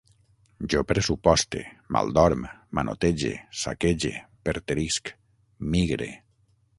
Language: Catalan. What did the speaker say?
Jo pressuposte, maldorm, manotege, saquege, perterisc, migre